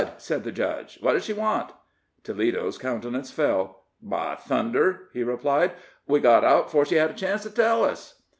said the judge. "What does she want?" Toledo's countenance fell. "By thunder!" he replied, "we got out 'fore she had a chance to tell us!"